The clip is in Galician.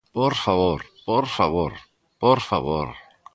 ¡Por favor, por favor, por favor!